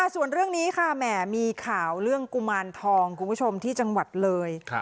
ส่วนเรื่องนี้ค่ะแหมมีข่าวเรื่องกุมารทองคุณผู้ชมที่จังหวัดเลย